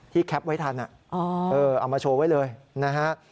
แคปไว้ทันเอามาโชว์ไว้เลยนะฮะ